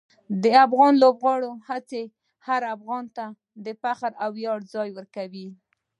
د افغان لوبغاړو هڅې هر افغان ته د فخر او ویاړ ځای ورکوي.